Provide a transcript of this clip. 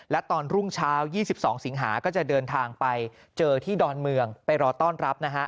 และตอนรุ่งเช้า๒๒สิงหาก็จะเดินทางไปเจอที่ดอนเมืองไปรอต้อนรับนะฮะ